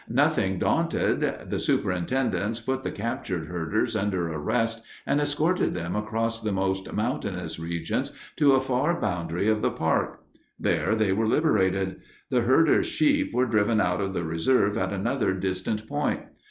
Nothing daunted, the superintendents put the captured herders under arrest and escorted them across the most mountainous regions to a far boundary of the park. There they were liberated. The herder's sheep were driven out of the reserve at another distant point.